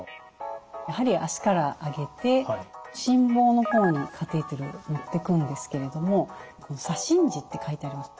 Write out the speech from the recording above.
やはり脚から上げて心房の方にカテーテル持っていくんですけれどもこの左心耳って書いてあります